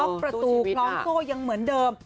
ประตูคล้องโซ่ยังเหมือนเดิม